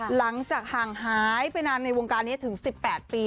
หลังจากห่างหายไปนานในวงการนี้ถึง๑๘ปี